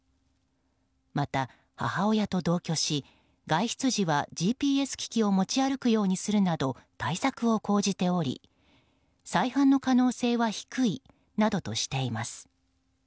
また、母親と同居し外出時はＧＰＳ機器を持ち歩くようにするなど対策を講じており再犯の可能性は低いなどとしています。